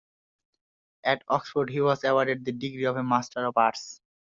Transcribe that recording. At Oxford he was awarded the degree of a Master of Arts.